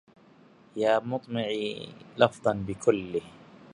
يا مطمعي لفظا بكله